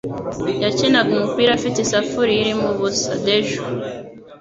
Yakinaga umupira afite isafuriya irimo ubusa. (Dejo)